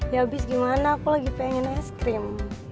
ya abis gimana aku lagi pengen es krim